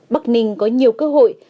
bắc ninh có nhiều cơ hội